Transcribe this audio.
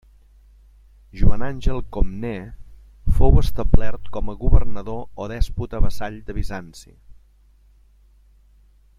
Joan Àngel-Comnè fou establert com a governador o dèspota vassall de Bizanci.